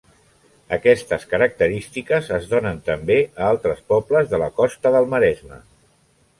Aquestes característiques es donen també a altres pobles de la costa del Maresme.